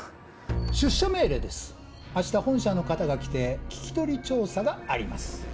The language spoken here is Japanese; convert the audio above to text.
出社命令です明日本社の方が来て聞き取り調査があります。